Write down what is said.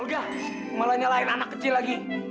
olga malah nyalain anak kecil lagi